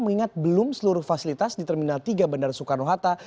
mengingat belum seluruh fasilitas di terminal tiga bandara soekarno hatta